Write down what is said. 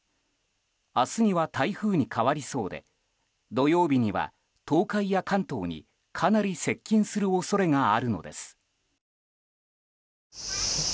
明日には台風に変わりそうで土曜日には東海や関東にかなり接近する恐れがあるのです。